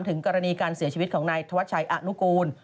ถึงกรณีการเสียชีวิตของนายธวัชชัยอนุกูล